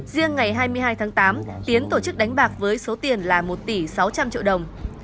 riêng ngày hai mươi hai tháng tám tiến tổ chức đánh bạc với số tiền là một tỷ sáu trăm linh triệu đồng